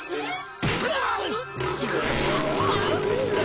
うっ！